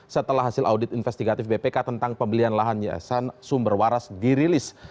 setelah hasil audit investigatif bpk tentang pembelian lahan yayasan sumber waras dirilis